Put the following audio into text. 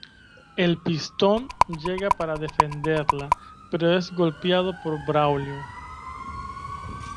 El Pistón llega para defenderla pero es golpeado por Braulio.